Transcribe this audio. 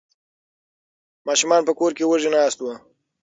ماشومان په کور کې وږي ناست وو.